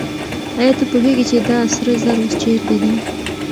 آیا ته پوهېږې چې دا سره زر اوس چېرته دي؟